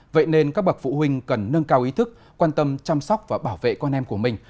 vậy nên các bậc phụ huynh cần nâng cao ý thức quan tâm chăm sóc và bảo vệ con em của mình